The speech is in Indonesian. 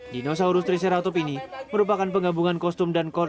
dinosaurus triceratops ini merupakan penggabungan kostum dan konsumen